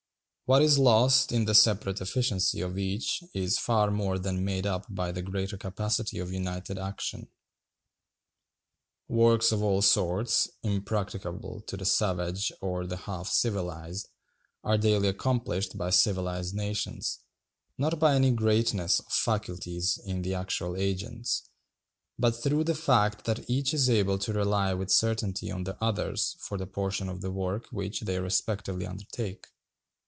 What is lost in the separate efficiency of each is far more than made up by the greater capacity of united action. Works of all sorts, impracticable to the savage or the half civilized, are daily accomplished by civilized nations, not by any greatness of faculties in the actual agents, but through the fact that each is able to rely with certainty on the others for the portion of the work which they respectively undertake.